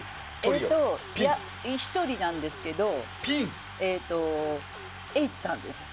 えーっと１人なんですけどＨさんです。